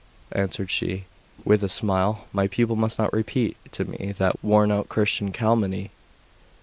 answered she, with a smile. 'My pupil must not repeat to me that worn out Christian calumny.